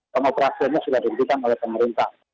pengoperasiannya sudah diberikan oleh pemerintah